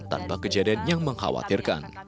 tanpa kejadian yang mengkhawatirkan